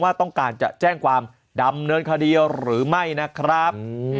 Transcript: ว่าต้องการจะแจ้งความดำเนินคดีหรือไม่นะครับ